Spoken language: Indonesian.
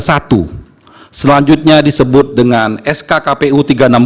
selanjutnya disebut dengan sk kpu tiga ratus enam puluh dua ribu dua puluh empat